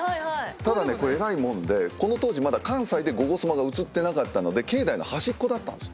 ただねこれえらいもんでこの当時まだ関西で『ゴゴスマ』が映ってなかったので境内の端っこだったんですよ